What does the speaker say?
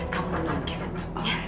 kamu telepon ke kevin bu